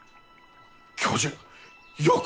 教授よくぞ！